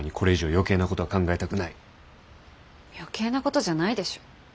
余計なことじゃないでしょ。